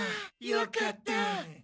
よかった。